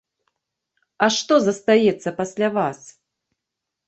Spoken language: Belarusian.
А што застаецца пасля вас?